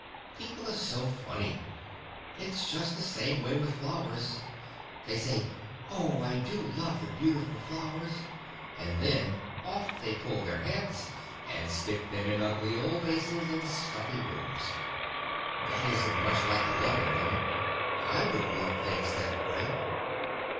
People are so funny! It's just the same way with flowers. They say, 'Oh, I do love the beautiful flowers!' and then, off they pull their heads, and stick them in ugly old vases, in stuffy rooms! That isn't much like loving them! I wouldn't love things that way."